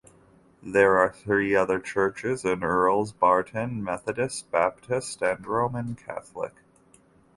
There are three other churches in Earls Barton: Methodist, Baptist and Roman Catholic.